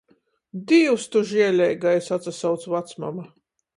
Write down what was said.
"Dīvs Tu žieleigais!" atsasauc vacmama.